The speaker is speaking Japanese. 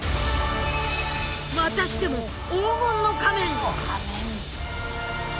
またしても黄金の仮面。